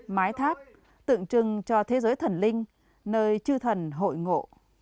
mái tháp tượng trưng cho thế giới thần linh nơi chư thần hội ngộ